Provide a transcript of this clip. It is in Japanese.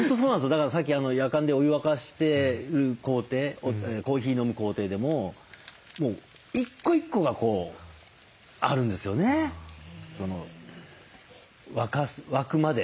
だからさっきやかんでお湯沸かしてる工程コーヒー飲む工程でももう一個一個がこうあるんですよね沸くまで。